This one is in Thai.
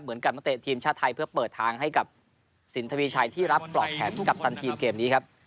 นักเตะทีมชาติไทยเพื่อเปิดทางให้กับสินทวีชัยที่รับปลอกแขนกัปตันทีมเกมนี้ครับ